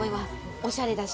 おしゃれだし。